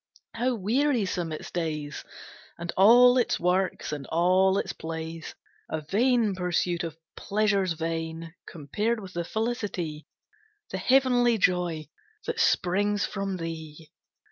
How wearisome its days; And all its works, and all its plays, A vain pursuit of pleasures vain, Compared with the felicity, The heavenly joy, that springs from thee!